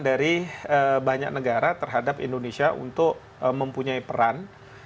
dari banyak negara terhadap indonesia untuk mempunyai peran